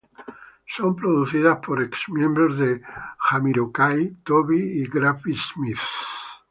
Son producidas por ex-miembros de Jamiroquai, Toby Grafty-Smith.